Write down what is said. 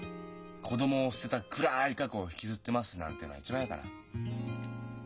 子供を捨てた暗い過去を引きずってます」なんていうのは一番やだな。